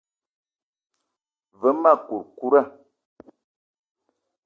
Ve ma kourkoura.